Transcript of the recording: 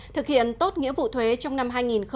thực hiện tốt nghĩa vụ thuế trong năm hai nghìn một mươi bảy